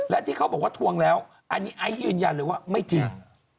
และที่เขาบอกว่าทวงแล้วอันนี้ไอซ์ยืนยันเลยว่าไม่จริง